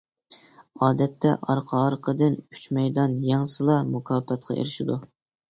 ئادەتتە ئارقا-ئارقىدىن ئۈچ مەيدان يەڭسىلا، مۇكاپاتقا ئېرىشىدۇ.